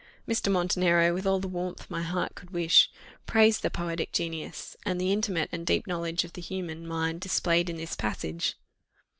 Mr. Montenero, with all the warmth my heart could wish, praised the poetic genius, and the intimate and deep knowledge of the human mind displayed in this passage.